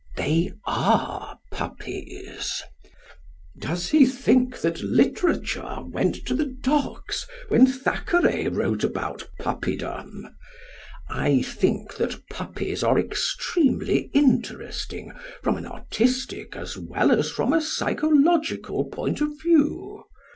They are puppies. Does he think that literature went to the dogs when Thackeray wrote about puppydom? I think that puppies are extremely interesting from an artistic as well as from a psychological point of view.